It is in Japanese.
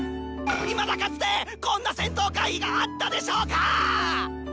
いまだかつてこんな戦闘回避があったでしょうか